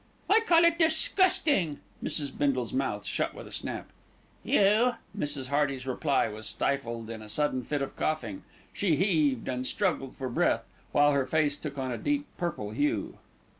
"I call it disgusting." Mrs. Bindle's mouth shut with a snap. "You " Mrs. Hearty's reply was stifled in a sudden fit of coughing. She heaved and struggled for breath, while her face took on a deep purple hue.